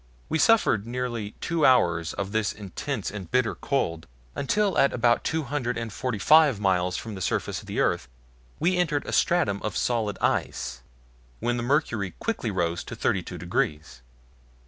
We suffered nearly two hours of this intense and bitter cold, until at about two hundred and forty five miles from the surface of the earth we entered a stratum of solid ice, when the mercury quickly rose to 32 degrees.